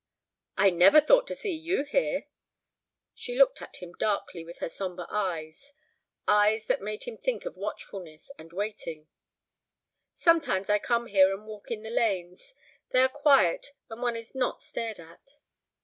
"I never thought to see you here!" She looked at him darkly with her sombre eyes—eyes that made him think of watchfulness and waiting. "Sometimes I come here and walk in the lanes. They are quiet, and one is not stared at."